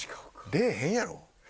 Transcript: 出えへんやろ。